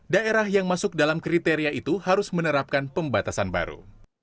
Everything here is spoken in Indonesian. daerah yang masuk dalam kriteria itu harus menerapkan pembatasan baru